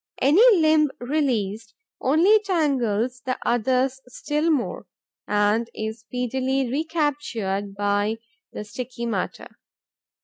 Any limb released only tangles the others still more and is speedily recaptured by the sticky matter.